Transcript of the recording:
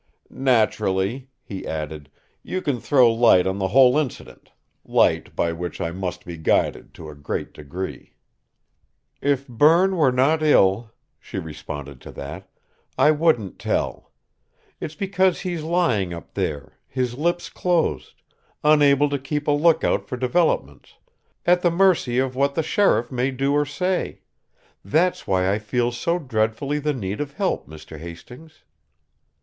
"Naturally," he added, "you can throw light on the whole incident light by which I must be guided, to a great degree." "If Berne were not ill," she responded to that, "I wouldn't tell. It's because he's lying up there, his lips closed, unable to keep a look out for developments, at the mercy of what the sheriff may do or say! That's why I feel so dreadfully the need of help, Mr. Hastings!"